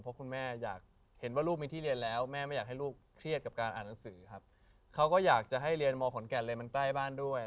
เพราะคุณแม่อยากเห็นว่าลูกมีที่เรียนแล้วแม่ไม่อยากให้ลูกเครียดกับการอ่านหนังสือครับเขาก็อยากจะให้เรียนมขอนแก่นเลยมันใกล้บ้านด้วย